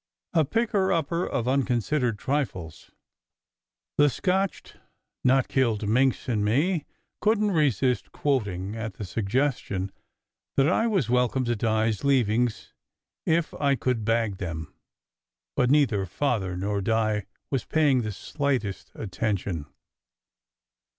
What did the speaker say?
" "A picker up of unconsidered trifles!" the scotched, not killed minx in me couldn t resist quoting, at the suggestion that I was welcome to Di s leavings if I could bag them. But neither Father nor Di was paying the slightest at tention.